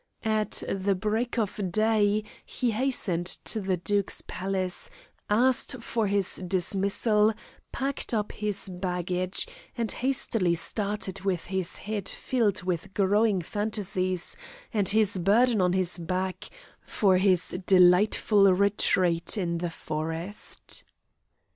At the break of day he hastened to the duke's palace, asked for his dismissal, packed up his baggage, and hastily started with his head filled with glowing fantasies and his burden on his back, for his delightful retreat in the forest.